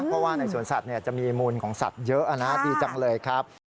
เพราะว่าในสวนสัตว์จะมีมูลของสัตว์เยอะนะดีจังเลยครับ